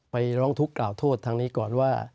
ร้องทุกข์กล่าวโทษทางนี้ก่อนว่า